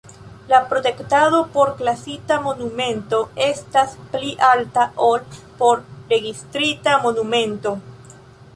La protektado por klasita monumento estas pli alta ol por registrita monumento.